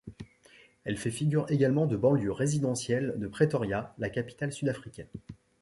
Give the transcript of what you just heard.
Elle fait figure également de banlieue résidentielle de Pretoria, la capitale sud-africaine.